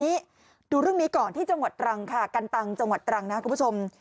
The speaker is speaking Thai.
ดูเรื่องนี้ก่อนที่จังหวัดตรังค่ะกันตังจังหวัดตรังนะคุณผู้ชม